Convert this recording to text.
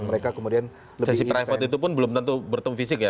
sesi private itu pun belum tentu bertemu fisik ya